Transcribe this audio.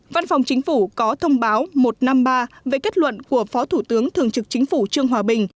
văn phòng chính phủ có thông báo một trăm năm mươi ba về kết luận của phó thủ tướng thường trực chính phủ trương hòa bình